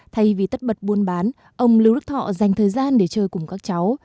thay vì tất bật buôn bán ông lưu đức thọ dành thời gian để chơi cùng các cháu